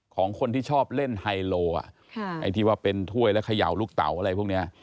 ของคนที่ชอบเล่นไฮโลไอ้ที่ว่าเป็นถ้วยและเขย่าลูกเต๋าอะไรพวกนี้